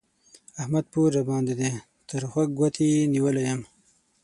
احمد پور راباندې دی؛ تر خوږ ګوته يې نيولی يم